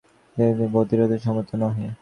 কেহই ইহার গতিরোধে সমর্থ নহে।